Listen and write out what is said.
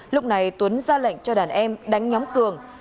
lúc này tuấn ra lệnh cho đàn em đánh nhóm cường